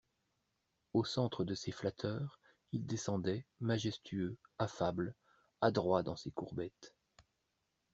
Au centre de ses flatteurs, il descendait, majestueux, affable, adroit dans ses courbettes.